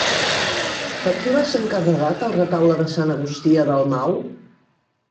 Per qui va ser encarregat el retaule de Sant Agustí a Dalmau?